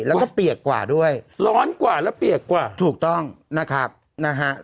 แล้วก็เปียกกว่าด้วยร้อนกว่าแล้วเปียกกว่าถูกต้องนะครับนะฮะ